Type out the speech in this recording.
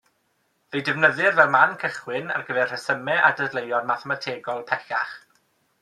Fe'i defnyddir fel man cychwyn ar gyfer rhesymu a dadleuon mathemategol pellach.